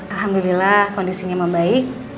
alhamdulillah kondisinya membaik